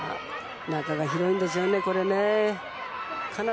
中が広いんですよね、これね。